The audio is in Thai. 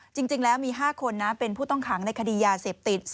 จริงแล้วมี๕คนนะเป็นผู้ต้องขังในคดียาเสพติด